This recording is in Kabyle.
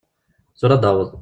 Tura ad d-taweḍ.